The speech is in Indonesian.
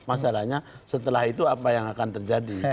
masalahnya setelah itu apa yang akan terjadi